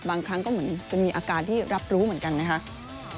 บางครั้งก็เหมือนจะมีอาการที่รับรู้เหมือนกันนะครับ